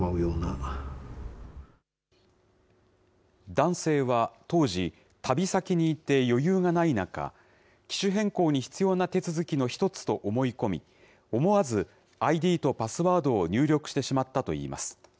男性は当時、旅先にいて余裕がない中、機種変更に必要な手続きの一つと思い込み、思わずＩＤとパスワードを入力してしまったといいます。